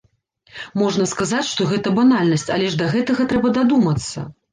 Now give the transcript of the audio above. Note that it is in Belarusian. Можна сказаць, што гэта банальнасць, але ж да гэтага трэба дадумацца!